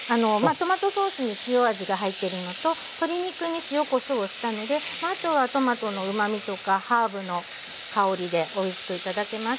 トマトソースに塩味が入ってるのと鶏肉に塩・こしょうをしたのであとはトマトのうまみとかハーブの香りでおいしく頂けます。